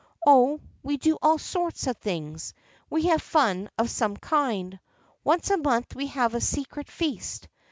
" Oh, we do all sorts of things. We have fun of some kind. Once a month we have a secret feast.